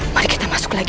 mari kita masuk lagi